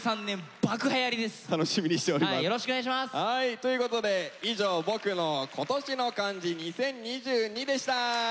ということで以上「ボクの今年の漢字２０２２」でした。